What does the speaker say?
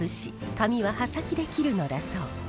髪は刃先で切るのだそう。